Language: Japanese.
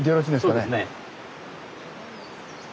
はいそうですね。